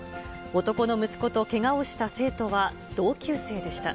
男の息子とけがをした生徒は同級生でした。